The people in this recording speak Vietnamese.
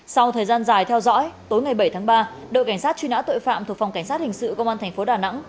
sau thời gian dài theo dõi tối ngày bảy tháng ba đội cảnh sát truy nã tội phạm thuộc phòng cảnh sát hình sự công an thành phố đà nẵng